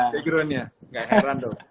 kejuruhannya enggak heran dong